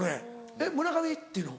えっ村上って言うの？